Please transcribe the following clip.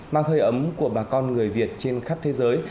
mang hơi ấm của bà con người việt trên khắp thế giới